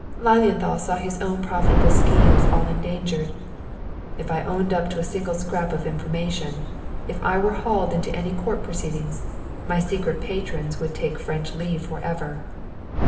Lilienthal saw his own profitable schemes all endangered. "If I owned up to a single scrap of information, if I were hauled into any court proceedings, my secret patrons would take French leave forever!"